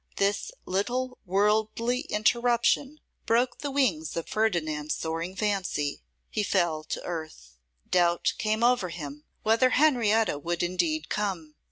This little worldly interruption broke the wings of Ferdinand's soaring fancy. He fell to earth. Doubt came over him whether Henrietta would indeed come.